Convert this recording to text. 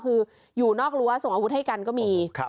คืออยู่นอกรั้วส่งอาวุธให้กันก็มี